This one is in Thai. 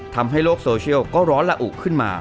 ทำให้โลกโซเชียลก็ร้อนละอุขึ้นมา